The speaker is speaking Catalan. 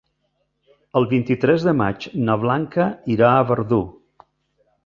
El vint-i-tres de maig na Blanca irà a Verdú.